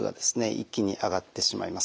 一気に上がってしまいます。